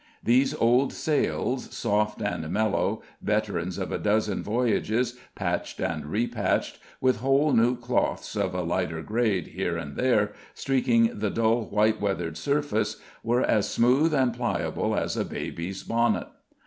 These old sails, soft and mellow, veterans of a dozen voyages, patched and repatched, with whole new cloths of a lighter grade here and there streaking the dull white weathered surface, were as smooth and pliable as a baby's bonnet.